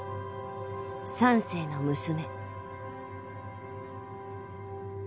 三世の娘。